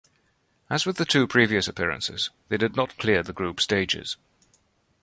As with the two previous appearances, they did not clear the group stages.